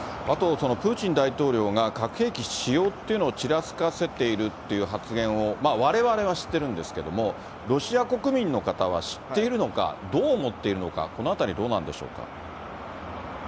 あとプーチン大統領が、核兵器使用というのをちらつかせているという発言を、われわれは知ってるんですけれども、ロシア国民の方は知っているのか、どう思っているのか、このあたり、どうなんでしょうか。